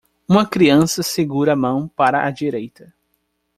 Uma criança segura a mão para a direita.